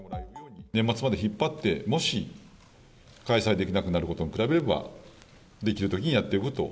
年末まで引っ張って、もし開催できなくなることに比べれば、できるときにやっておくと。